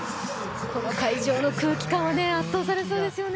この会場の空気感は圧倒されそうですよね。